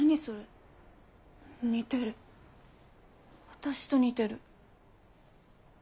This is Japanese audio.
私と似てる。